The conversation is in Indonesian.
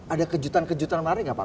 ada kejutan kejutan marikah pak